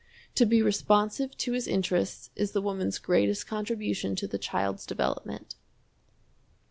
To be responsive to his interests is the woman's greatest contribution to the child's development.